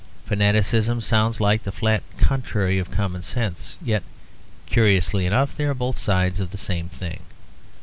Fanaticism sounds like the flat contrary of common sense; yet curiously enough they are both sides of the same thing.